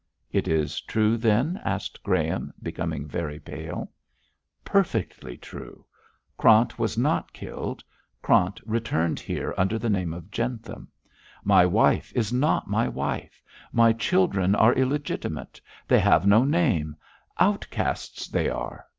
'It is true, then?' asked Graham, becoming very pale. 'Perfectly true. Krant was not killed. Krant returned here under the name of Jentham. My wife is not my wife! My children are illegitimate; they have no name; outcasts they are.